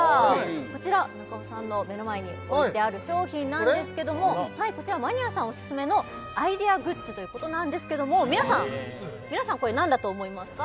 こちら中尾さんの目の前に置いてある商品なんですけどもこちらマニアさんおすすめのアイデアグッズということなんですけども皆さんこれ何だと思いますか？